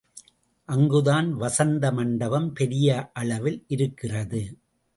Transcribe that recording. அங்குதான் வசந்த மண்டபம், பெரிய அளவில் இருக்கிறது.